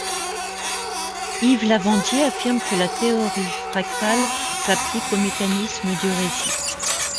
Yves Lavandier affirme que la théorie fractale s’applique aux mécanismes du récit.